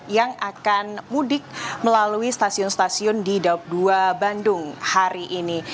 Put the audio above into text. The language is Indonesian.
yang akan mudik melalui stasiun stasiun di daup dua bandung hari ini